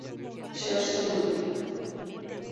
Scherzo No.